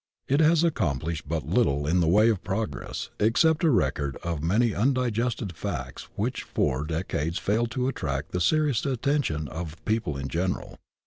It has accomplished but Uttle in the way of progress except a record of many imdigested facts which for four decades failed to attract the serious at tention of people in general.